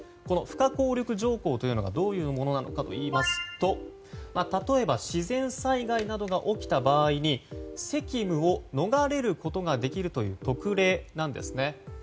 この不可抗力条項というのがどういうものなのかといいますと例えば自然災害などが起きた場合に責務を逃れることができるという特例なんですね。